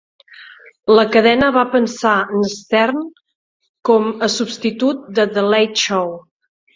La cadena va pensar en Stern com a substitut del "The Late Show".